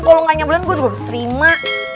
kalo lu ga nyebelin gue juga bisa terima